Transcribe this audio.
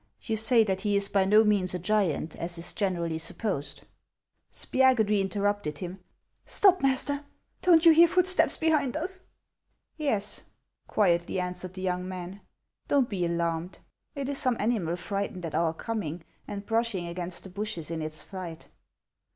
You say that he is by no means a giant, as is generally supposed.'' Spiagudry interrupted him :" Stop, master ! L>ou't you hear footsteps behind us '("" Yes," quietly answered the young man ;" don't be alarmed ; it is some animal frightened at our coming, and brushing against the bushes in its flight."